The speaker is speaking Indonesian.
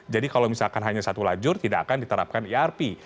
jadi kalau misalkan hanya satu lajur tidak akan diterapkan irp